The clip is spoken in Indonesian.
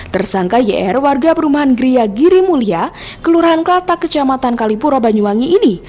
tersangka yr warga perumahan gria giri mulia kelurahan kelatak kecamatan kalipuro banyuwangi ini